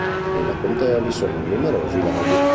Nella contea vi sono numerosi laghi.